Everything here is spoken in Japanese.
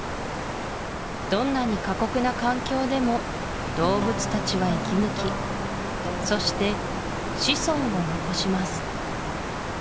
どんなに過酷な環境でも動物たちは生き抜きそして子孫を残します